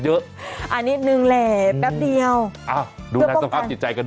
โอ้โฮ